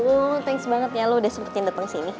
wuuu thanks banget ya lo udah sempetin dateng sini